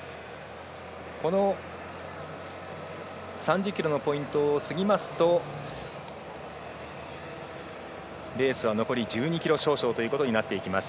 ３０ｋｍのポイントを過ぎますとレースは残り１２ｋｍ少々ということになってきます。